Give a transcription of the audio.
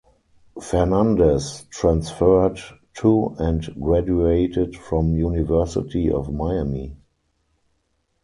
Fernandez transferred to and graduated from University of Miami.